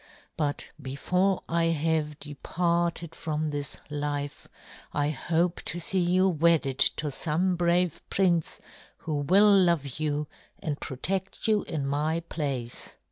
But before I have departed from this life, I hope to see you wedded to some brave prince who will love you and protect you in my place."